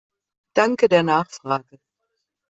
Danke der Nachfrage!